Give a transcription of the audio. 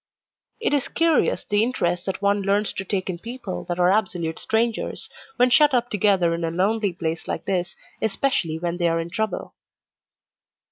It is curious the interest that one learns to take in people that are absolute strangers, when shut up together in a lonely place like this, especially when they are in trouble."